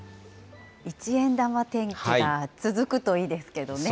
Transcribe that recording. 一円玉天気が続くといいですけどね。